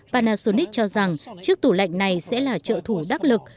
panasonic cho rằng chiếc tủ lạnh này sẽ là trợ thủ đắc lực